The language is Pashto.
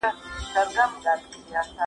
شرکتونه د وټساپ له لارې پیسې ورکوي.